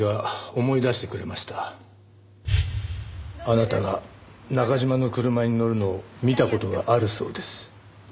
あなたが中嶋の車に乗るのを見た事があるそうです。